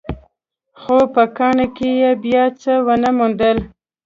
خو په کان کې يې بيا څه ونه موندل.